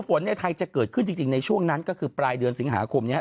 ในไทยจะเกิดขึ้นจริงในช่วงนั้นก็คือปลายเดือนสิงหาคมนี้